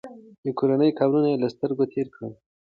د کورنۍ قبرونه یې له سترګو تېر کړل.